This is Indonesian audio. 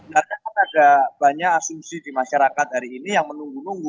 nah kan ada banyak asumsi di masyarakat hari ini yang menunggu nunggu